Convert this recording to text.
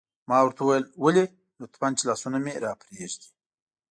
ما ورته وویل: ولې؟ لطفاً، چې لاسونه مې را پرېږدي.